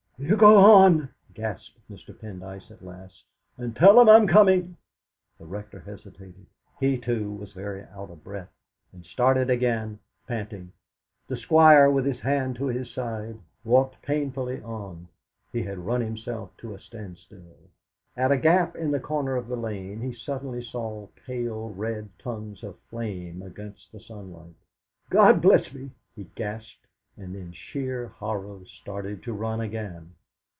"You go on!" gasped Mr. Pendyce at last, "and tell them I'm coming." The Rector hesitated he, too, was very out of breath and started again, panting. The Squire, with his hand to his side, walked painfully on; he had run himself to a standstill. At a gap in the corner of the lane he suddenly saw pale red tongues of flame against the sunlight. "God bless me!" he gasped, and in sheer horror started to run again.